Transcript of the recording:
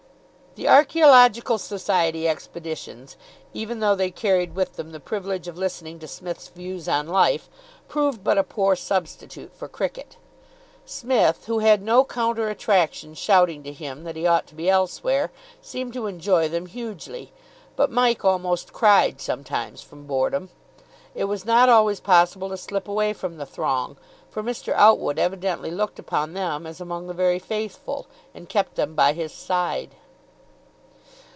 The Archaeological Society expeditions, even though they carried with them the privilege of listening to Psmith's views on life, proved but a poor substitute for cricket. Psmith, who had no counter attraction shouting to him that he ought to be elsewhere, seemed to enjoy them hugely, but Mike almost cried sometimes from boredom. It was not always possible to slip away from the throng, for Mr. Outwood evidently looked upon them as among the very faithful, and kept them by his aide.